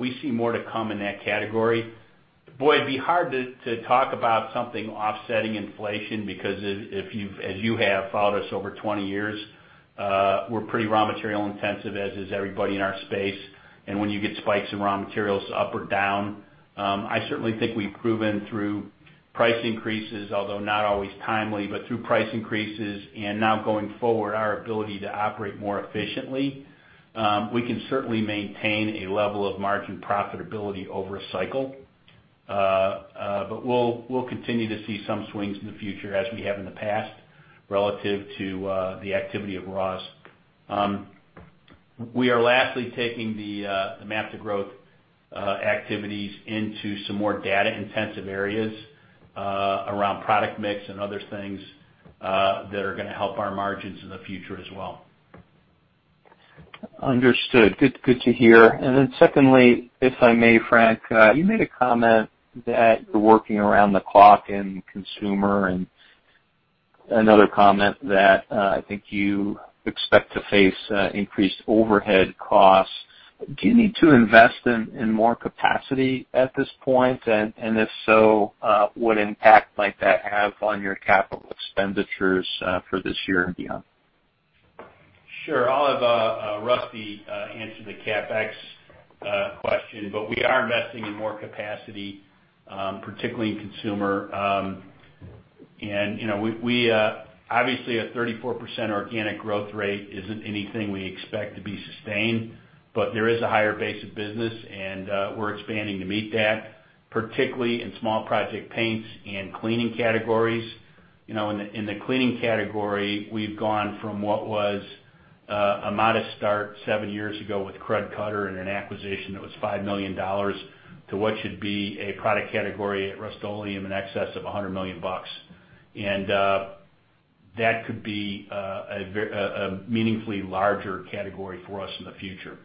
We see more to come in that category. Boy, it'd be hard to talk about something offsetting inflation because if you've, as you have, followed us over 20 years, we're pretty raw material intensive, as is everybody in our space. When you get spikes in raw materials up or down, I certainly think we've proven through price increases, although not always timely, but through price increases and now going forward, our ability to operate more efficiently, we can certainly maintain a level of margin profitability over a cycle. We'll continue to see some swings in the future as we have in the past, relative to the activity of raws. We are lastly taking the MAP to Growth activities into some more data-intensive areas around product mix and other things that are gonna help our margins in the future as well. Understood. Good to hear. Secondly, if I may, Frank, you made a comment that you're working around the clock in Consumer and another comment that, I think you expect to face increased overhead costs. Do you need to invest in more capacity at this point? If so, what impact might that have on your capital expenditures for this year and beyond? Sure. I'll have Russell answer the CapEx question. We are investing in more capacity, particularly in Consumer. Obviously, a 34% organic growth rate isn't anything we expect to be sustained, but there is a higher base of business, and we're expanding to meet that, particularly in small project paints and cleaning categories. In the cleaning category, We've gone from what was a modest start seven years ago with Krud Kutter and an acquisition that was $5 million to what should be a product category at Rust-Oleum in excess of $100 million. That could be a meaningfully larger category for us in the future.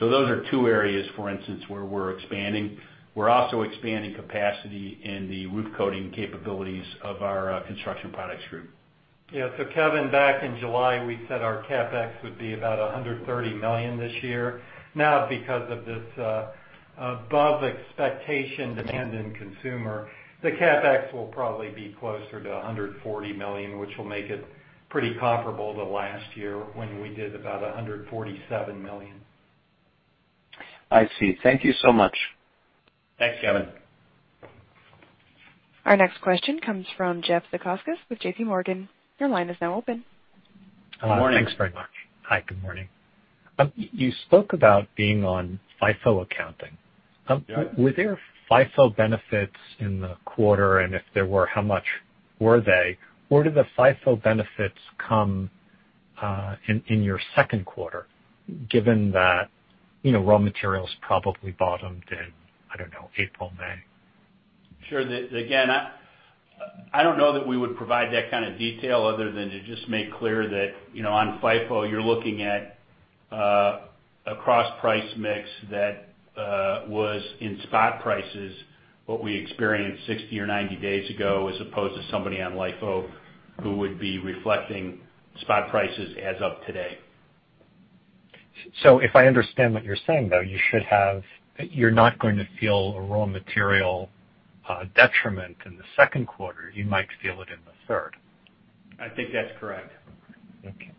Those are two areas, for instance, where we're expanding. We're also expanding capacity in the roof coating capabilities of our Construction Products Group. Kevin, back in July, we said our CapEx would be about $130 million this year. Now, because of this above expectation demand in consumer, the CapEx will probably be closer to $140 million, which will make it pretty comparable to last year when we did about $147 million. I see. Thank you so much. Thanks, Kevin. Our next question comes from Jeff Zekauskas with JPMorgan. Your line is now open. Good morning. Thanks very much. Hi, good morning. You spoke about being on FIFO accounting. Yeah. Were there FIFO benefits in the quarter, and if there were, how much were they? Do the FIFO benefits come in your Q2, given that raw materials probably bottomed in, I don't know, April, May? Sure. Again, I don't know that we would provide that kind of detail other than to just make clear that on FIFO, you're looking at a cross-price mix that was in spot prices, what we experienced 60 or 90 days ago, as opposed to somebody on LIFO who would be reflecting spot prices as of today. If I understand what you're saying, though, you're not going to feel a raw material detriment in the Q2. You might feel it in the third. I think that's correct. Okay.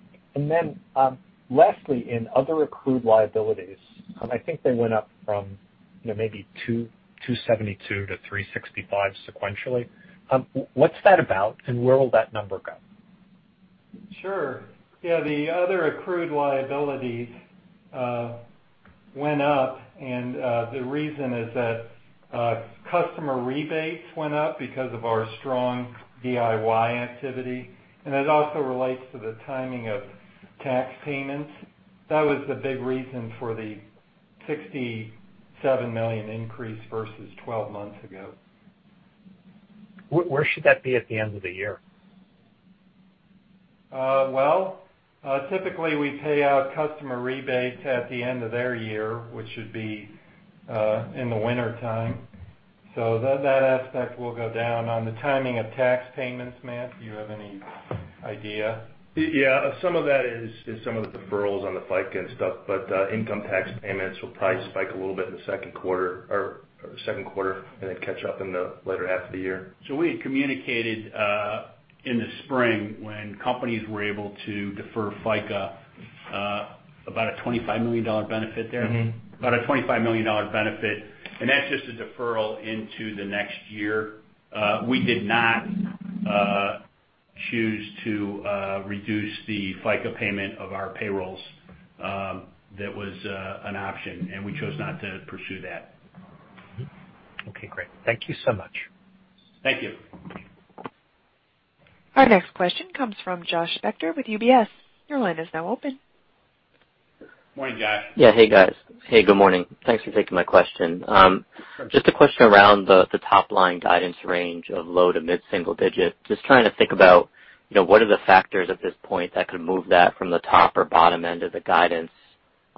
Lastly, in other accrued liabilities, I think they went up from maybe $272-$365 sequentially. What's that about, and where will that number go? Sure. Yeah, the other accrued liabilities went up, and the reason is that customer rebates went up because of our strong DIY activity, and it also relates to the timing of tax payments. That was the big reason for the $67 million increase versus 12 months ago. Where should that be at the end of the year? Typically we pay out customer rebates at the end of their year, which should be in the wintertime. That aspect will go down. On the timing of tax payments, Matt, do you have any idea? Yeah. Some of that is some of the deferrals on the FICA and stuff, but income tax payments will probably spike a little bit in the Q2 and then catch up in the latter half of the year. We had communicated in the spring when companies were able to defer FICA. About a $25 million benefit there. About a $25 million benefit, and that's just a deferral into the next year. We did not choose to reduce the FICA payment of our payrolls. That was an option, and we chose not to pursue that. Okay, great. Thank you so much. Thank you. Our next question comes from Joshua Spector with UBS. Your line is now open. Morning, Joshua. Hey, guys. Hey, good morning. Thanks for taking my question. Just a question around the top-line guidance range of low to mid-single digit. Just trying to think about what are the factors at this point that could move that from the top or bottom end of the guidance.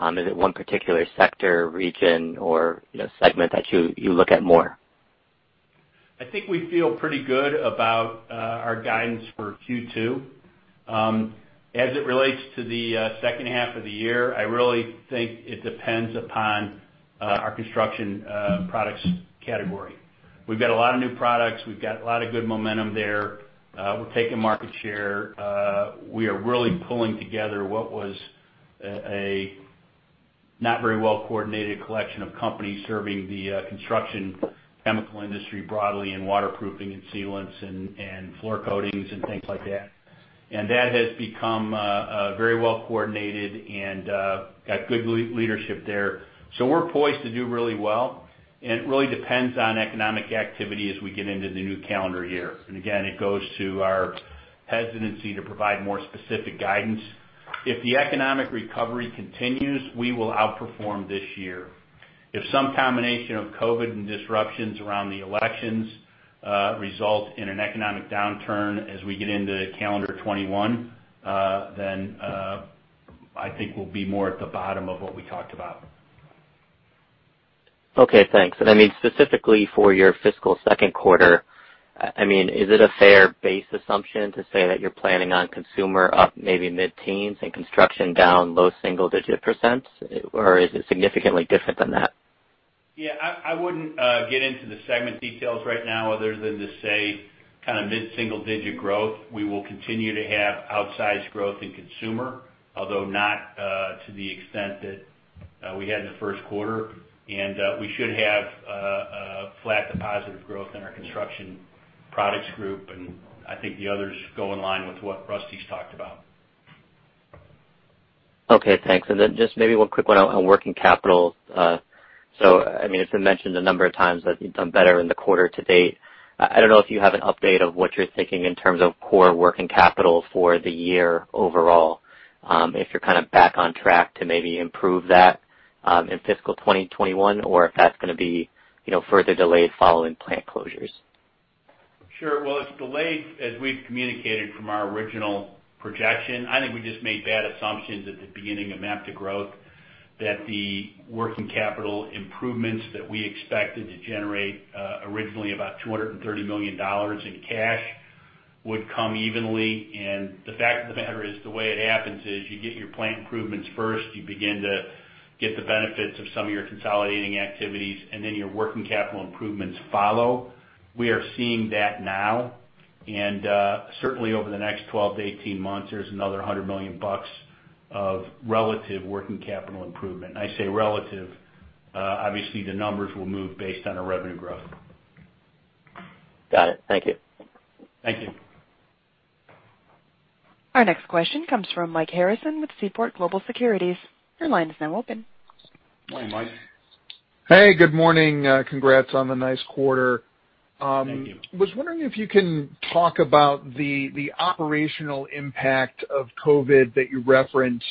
Is it one particular sector, region, or segment that you look at more? I think we feel pretty good about our guidance for Q2. As it relates to the second half of the year, I really think it depends upon our Construction Products Group. We've got a lot of new products. We've got a lot of good momentum there. We're taking market share. We are really pulling together what was a not very well-coordinated collection of companies serving the construction chemical industry broadly, In waterproofing and sealants and floor coatings and things like that. That has become very well coordinated and got good leadership there. We're poised to do really well, and it really depends on economic activity as we get into the new calendar year. Again, it goes to our hesitancy to provide more specific guidance. If the economic recovery continues, we will outperform this year. If some combination of COVID and disruptions around the elections result in an economic downturn as we get into calendar 2021, then I think we'll be more at the bottom of what we talked about. Okay, thanks. Specifically for your fiscal Q2, is it a fair base assumption to say that you're planning on consumer up maybe mid-teens and construction down low single-digit %? Is it significantly different than that? Yeah, I wouldn't get into the segment details right now other than to say mid-single digit growth. We will continue to have outsized growth in Consumer Group, although not to the extent that we had in the Q1. We should have a flat to positive growth in our Construction Products Group. I think the others go in line with what Russell's talked about. Okay, thanks. Just maybe one quick one on working capital. It's been mentioned a number of times that you've done better in the quarter to date. I don't know if you have an update of what you're thinking in terms of core working capital for the year overall, if you're back on track to maybe improve that in fiscal 2021 or if that's going to be further delayed following plant closures. Sure. Well, it's delayed, as we've communicated from our original projection. I think we just made bad assumptions at the beginning of MAP to Growth that the working capital improvements that we expected to generate originally about $230 million in cash would come evenly. The fact of the matter is, the way it happens is you get your plant improvements first, You begin to get the benefits of some of your consolidating activities, and then your working capital improvements follow. We are seeing that now. Certainly over the next 12 to 18 months, there's another $100 million of relative working capital improvement. I say relative, obviously the numbers will move based on our revenue growth. Got it. Thank you. Thank you. Our next question comes from Michael Harrison with Seaport Research Partners. Your line is now open. Morning, Michael. Hey, good morning. Congrats on the nice quarter. Thank you. Was wondering if you can talk about the operational impact of COVID that you referenced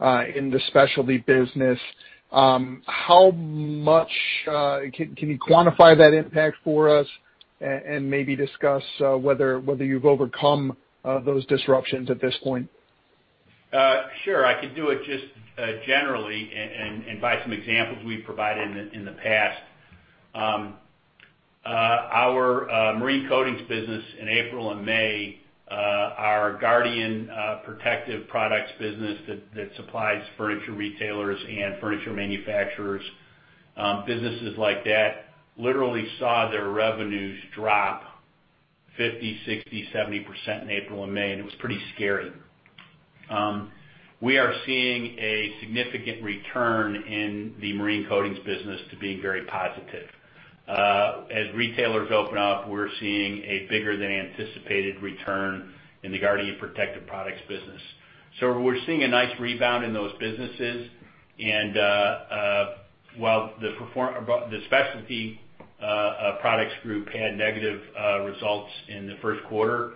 in the specialty business. Can you quantify that impact for us and maybe discuss whether you've overcome those disruptions at this point? Sure. I could do it just generally and by some examples we've provided in the past. Our marine coatings business in April and May, our Guardian Protection Products business that supplies furniture retailers and furniture manufacturers, businesses like that literally saw their revenues drop 50%, 60%, 70% in April and May, and it was pretty scary. We are seeing a significant return in the marine coatings business to being very positive. As retailers open up, we're seeing a bigger than anticipated return in the Guardian Protection Products business. We're seeing a nice rebound in those businesses. While the Specialty Products Group had negative results in the Q1,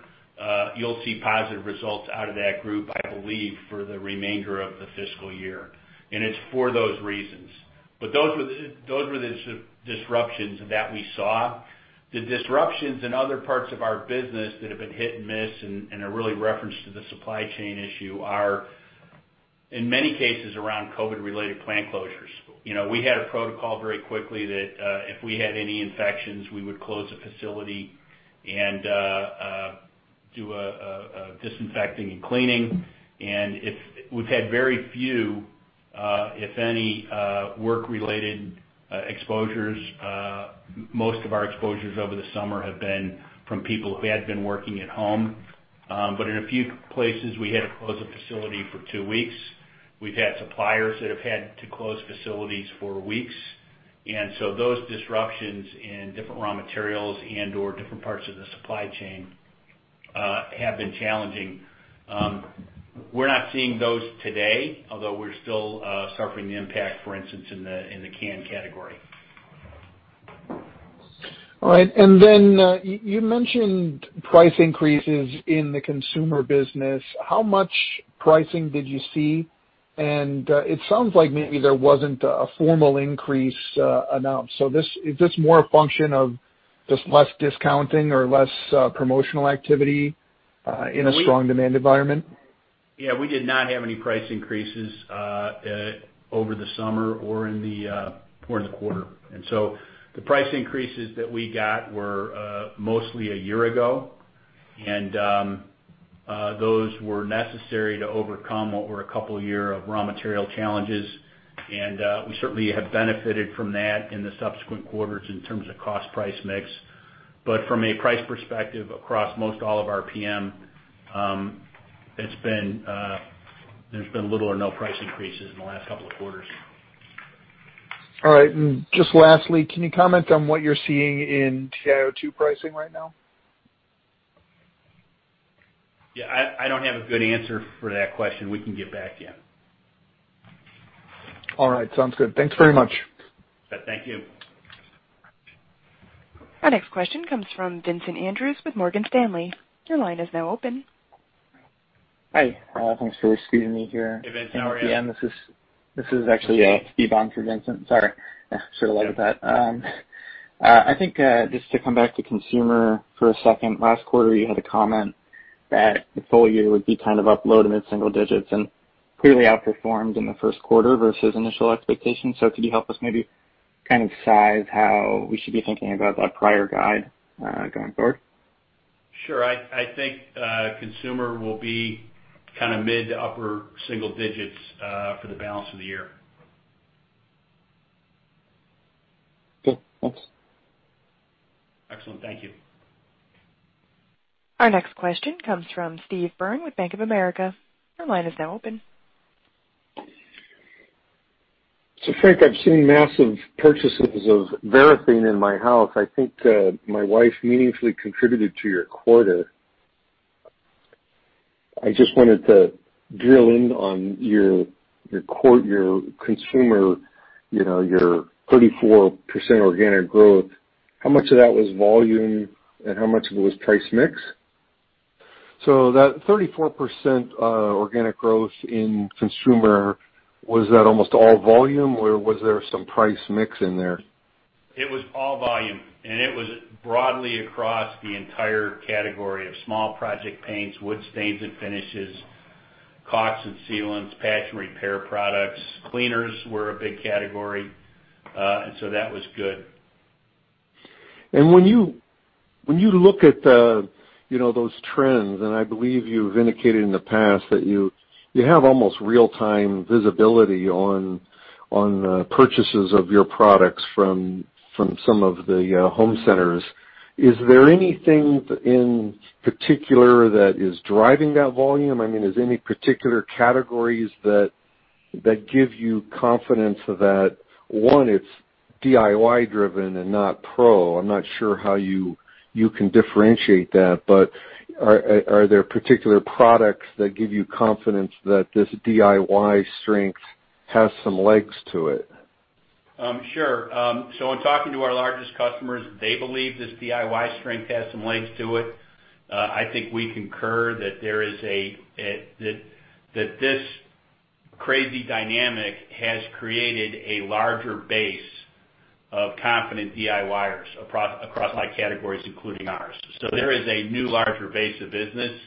you'll see positive results out of that group, I believe, for the remainder of the fiscal year, and it's for those reasons. Those were the disruptions that we saw. The disruptions in other parts of our business that have been hit and miss and are really referenced to the supply chain issue are, in many cases, around COVID-related plant closures. We had a protocol very quickly that if we had any infections, we would close a facility and do a disinfecting and cleaning. We've had very few if any work-related exposures. Most of our exposures over the summer have been from people who had been working at home. In a few places, we had to close a facility for two weeks. We've had suppliers that have had to close facilities for weeks. Those disruptions in different raw materials and, or different parts of the supply chain have been challenging. We're not seeing those today, although we're still suffering the impact, for instance, in the canned category. All right. You mentioned price increases in the Consumer Business. How much pricing did you see? It sounds like maybe there wasn't a formal increase announced. Is this more a function of just less discounting or less promotional activity in a strong demand environment? Yeah, we did not have any price increases over the summer or in the quarter. The price increases that we got were mostly a year ago, and those were necessary to overcome what were a couple of years of raw material challenges. We certainly have benefited from that in the subsequent quarters in terms of cost-price mix. From a price perspective, across most all of our RPM, there's been little or no price increases in the last couple of quarters. All right. Just lastly, can you comment on what you're seeing in TiO2 pricing right now? Yeah, I don't have a good answer for that question. We can get back to you. All right, sounds good. Thanks very much. Thank you. Our next question comes from Vincent Andrews with Morgan Stanley. Your line is now open. Hi. Thanks for squeezing me here. Hey, Vince. How are you? This is actually Steven Haynes for Vincent. Sorry, should have led with that. I think just to come back to consumer for a second, last quarter you had a comment that the full year would be kind of up low to mid-single digits, and clearly outperformed in the Q1 versus initial expectations. Could you help us maybe kind of size how we should be thinking about that prior guide going forward? Sure. I think Consumer will be kind of mid to upper single digits for the balance of the year. Good. Thanks. Excellent. Thank you. Our next question comes from Steve Byrne with Bank of America. Your line is now open. Frank, I've seen massive purchases of Varathane in my house. I think my wife meaningfully contributed to your quarter. I just wanted to drill in on your Consumer, your 34% organic growth. How much of that was volume and how much of it was price mix? That 34% organic growth in Consumer, was that almost all volume, or was there some price mix in there? It was all volume, and it was broadly across the entire category of small project paints, wood stains and finishes, caulk and sealants, patch and repair products. Cleaners were a big category. That was good. When you look at those trends, I believe you've indicated in the past that you have almost real-time visibility on purchases of your products from some of the home centers. Is there anything in particular that is driving that volume? I mean, is there any particular categories that give you confidence that, one, it's DIY driven and not pro? I'm not sure how you can differentiate that, but are there particular products that give you confidence that this DIY strength has some legs to it? Sure. In talking to our largest customers, they believe this DIY strength has some legs to it. I think we concur that this crazy dynamic has created a larger base of confident DIYers across like categories including ours. There is a new larger base of business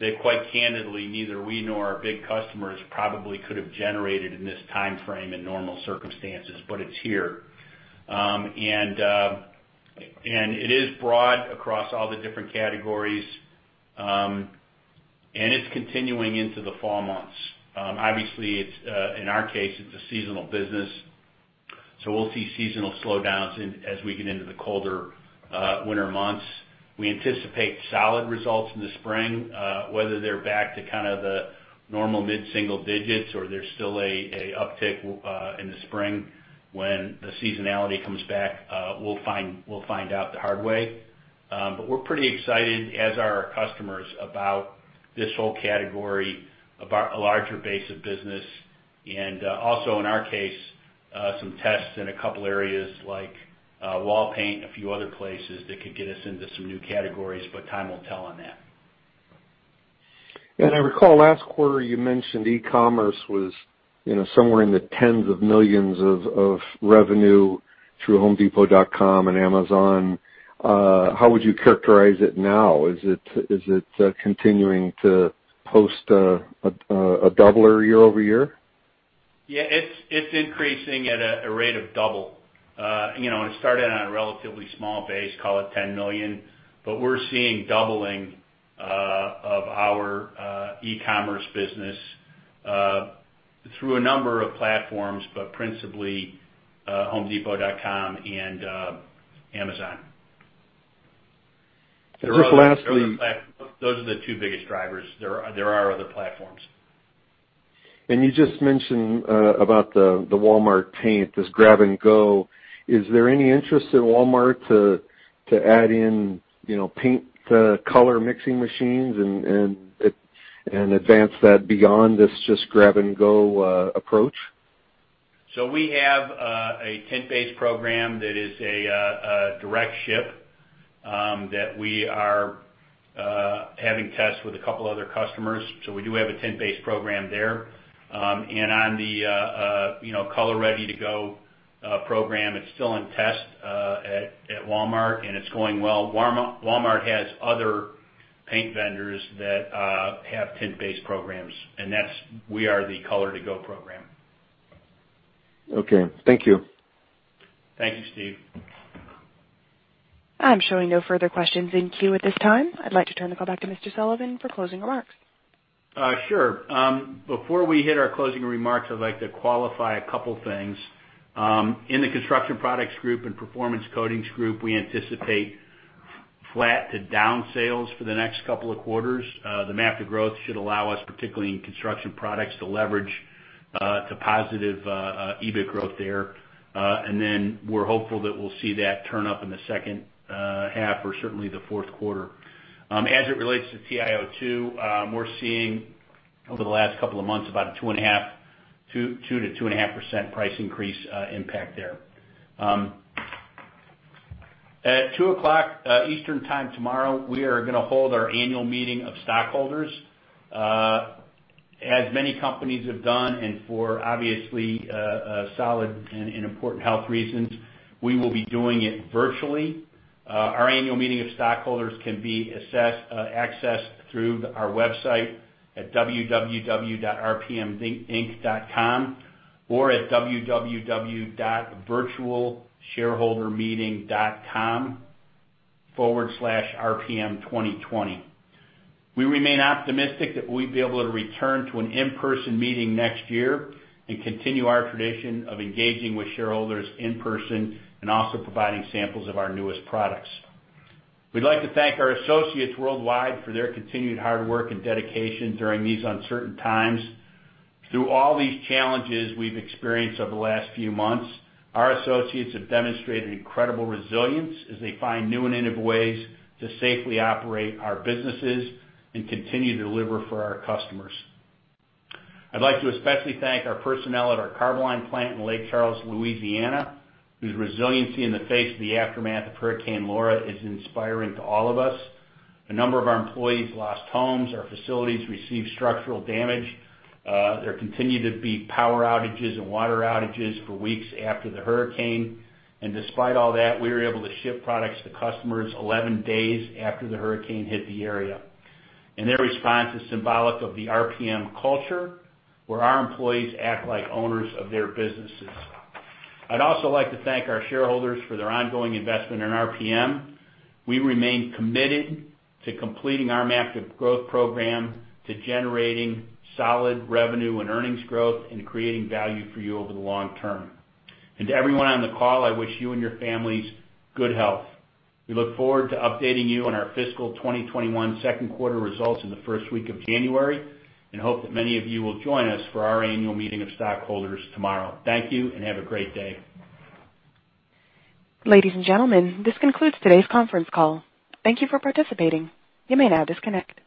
that quite candidly, neither we nor our big customers probably could have generated in this timeframe in normal circumstances, but it's here. It is broad across all the different categories, and it's continuing into the fall months. Obviously, in our case, it's a seasonal business, so we'll see seasonal slowdowns as we get into the colder winter months. We anticipate solid results in the spring. Whether they're back to kind of the normal mid-single digits or there's still a uptick in the spring when the seasonality comes back, we'll find out the hard way. We're pretty excited, as are our customers, about this whole category, about a larger base of business, and also in our case, some tests in a couple areas like wall paint and a few other places that could get us into some new categories, but time will tell on that. I recall last quarter you mentioned e-commerce was somewhere in the $ tens of millions of revenue through homedepot.com and Amazon. How would you characterize it now? Is it continuing to post a doubler year-over-year? Yeah, it's increasing at a rate of double. It started on a relatively small base, call it $10 million, we're seeing doubling of our e-commerce business through a number of platforms, but principally homedepot.com and Amazon. Just lastly. Those are the two biggest drivers. There are other platforms. You just mentioned, about the Walmart paint, this grab and go. Is there any interest in Walmart to add in paint color mixing machines and advance that beyond this just grab and go approach? We have a tint base program that is a direct ship, that we are having tests with a couple other customers. We do have a tint-based program there. On the color ready to go program, it's still in test at Walmart, and it's going well. Walmart has other paint vendors that have tint-based programs, and we are the color to go program. Okay. Thank you. Thank you, Steve. I'm showing no further questions in queue at this time. I'd like to turn the call back to Mr. Sullivan for closing remarks. Sure. Before we hit our closing remarks, I'd like to qualify a couple things. In the Construction Products Group and Performance Coatings Group, we anticipate flat to down sales for the next couple of quarters. The MAP to Growth should allow us, particularly in construction products, to leverage to positive EBIT growth there. We're hopeful that we'll see that turn up in the second half or certainly the Q4. As it relates to TiO2, we're seeing over the last couple of months about a 2%-2.5% price increase impact there. At 2:00 Eastern Time tomorrow, we are gonna hold our annual meeting of stockholders. As many companies have done, and for obviously solid and important health reasons, we will be doing it virtually. Our annual meeting of stockholders can be accessed through our website at www.rpminc.com or at www.virtualshareholdermeeting.com/rpm2020. We remain optimistic that we'll be able to return to an in-person meeting next year and continue our tradition of engaging with shareholders in person and also providing samples of our newest products. We'd like to thank our associates worldwide for their continued hard work and dedication during these uncertain times. Through all these challenges we've experienced over the last few months, our associates have demonstrated incredible resilience as they find new and innovative ways to safely operate our businesses and continue to deliver for our customers. I'd like to especially thank our personnel at our Carboline plant in Lake Charles, Louisiana, Whose resiliency in the face of the aftermath of Hurricane Laura is inspiring to all of us. A number of our employees lost homes, our facilities received structural damage. There continued to be power outages and water outages for weeks after the hurricane. Despite all that, we were able to ship products to customers 11 days after the hurricane hit the area. Their response is symbolic of the RPM culture, where our employees act like owners of their businesses. I'd also like to thank our shareholders for their ongoing investment in RPM. We remain committed to completing our MAP to Growth program, To generating solid revenue and earnings growth, and creating value for you over the long term. To everyone on the call, I wish you and your families good health. We look forward to updating you on our fiscal 2021 Q2 results in the first week of January, and hope that many of you will join us for our annual meeting of stockholders tomorrow. Thank you, and have a great day. Ladies and gentlemen, this concludes today's conference call. Thank you for participating. You may now disconnect.